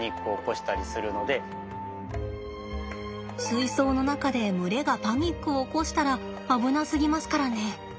水槽の中で群れがパニックを起こしたら危なすぎますからね。